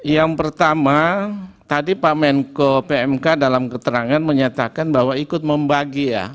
yang pertama tadi pak menko pmk dalam keterangan menyatakan bahwa ikut membagi ya